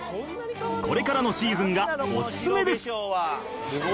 これからのシーズンがおすすめです